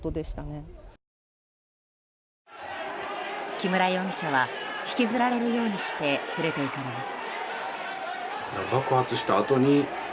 木村容疑者は引きずられるようにして連れていかれます。